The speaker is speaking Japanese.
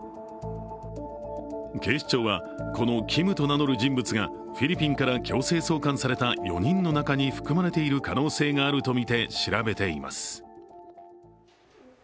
警視庁は、このＫｉｍと名乗る人物がフィリピンから強制送還された４人の中に含まれている可能性があるとみて調べています。